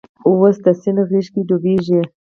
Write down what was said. اوس د سیند غیږ کې ډوبیږې